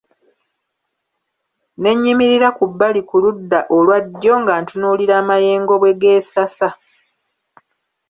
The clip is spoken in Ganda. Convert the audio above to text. Ne nnyimirira ku bbali ku ludda olwa ddyo nga ntunuulira amayengo bwe geesasa.